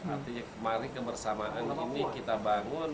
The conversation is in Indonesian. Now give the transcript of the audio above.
artinya mari kebersamaan ini kita bangun